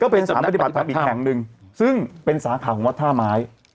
เป็นสำนักปฏิบัติธรรมอีกแห่งหนึ่งซึ่งเป็นสาขาของวัดท่าไม้